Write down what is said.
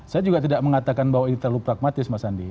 saya juga tidak mengatakan bahwa ini terlalu pragmatis mas andi